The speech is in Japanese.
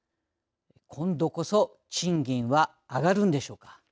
今度こそ賃金は上がるんでしょうか。